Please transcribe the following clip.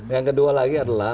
yang kedua lagi adalah